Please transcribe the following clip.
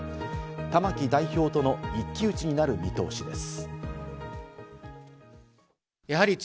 玉木代表との一騎打ちになる見通しです。